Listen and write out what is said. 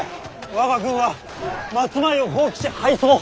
我が軍は松前を放棄し敗走。